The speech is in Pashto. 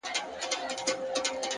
علم د تیارو رڼا ده،